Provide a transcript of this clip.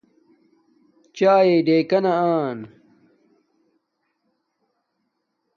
چاݵے ڈکانا آن